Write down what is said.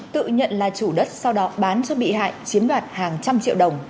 tự nhận là chủ đất sau đó bán cho bị hại chiếm đoạt hàng trăm triệu đồng